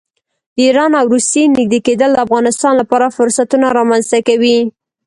د ایران او روسیې نږدې کېدل د افغانستان لپاره فرصتونه رامنځته کوي.